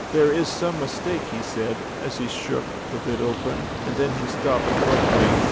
"There is some mistake," he said as he shook the lid open, and then he stopped abruptly.